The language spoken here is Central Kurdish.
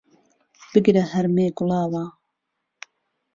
بگره هەرمێ گوڵاوه